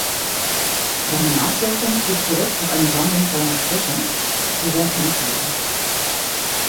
Seine Nachwirkung geht zurück auf eine Sammlung seiner Sprüche, die "Sententiae".